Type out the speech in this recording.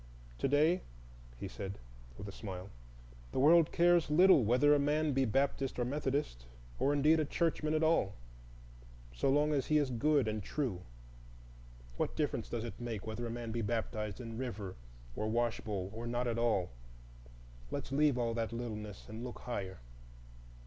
"To day," he said, with a smile, "the world cares little whether a man be Baptist or Methodist, or indeed a churchman at all, so long as he is good and true. What difference does it make whether a man be baptized in river or washbowl, or not at all? Let's leave all that littleness, and look higher."